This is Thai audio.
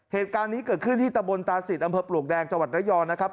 เหตุการณ์นี้เกิดขึ้นที่ตะบนตาศิษย์อำเภอปลวกแดงจังหวัดระยองนะครับ